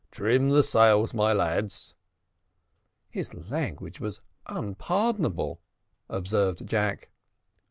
Trim the sails, my lads." "His language was unpardonable," observed Jack.